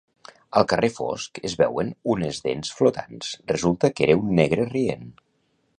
Al carrer fosc es veuen unes dents flotants resulta que era un negre rient